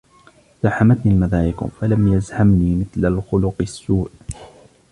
زاحمتني المضايق فلم يزحمني مثل الخلق السوء.